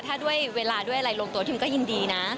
ถ้าด้วยเวลาด้วยอะไรลงตัวพิมก็ยินดีนะ